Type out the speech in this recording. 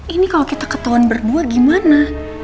ini kalau kita ketahuan berdua gimana